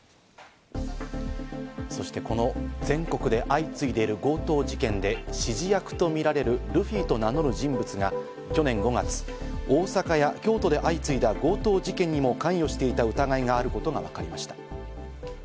そして、この全国で相次いでいる強盗事件で、指示役とみられるルフィと名乗る人物が去年５月、大阪や京都で相次いだ強盗事件にも関与していた疑いがあることがわかりました。